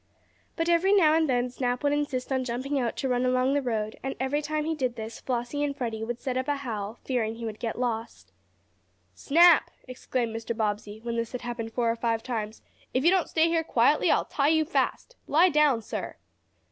But every now and then Snap would insist on jumping out to run along the road, and every time he did this Flossie and Freddie would set up a howl, fearing he would get lost. "Snap!" exclaimed Mr. Bobbsey, when this had happened four or five times, "if you don't stay here quietly I'll tie you fast. Lie down, sir!"